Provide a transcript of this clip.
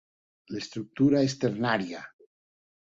L'estructura és ternària.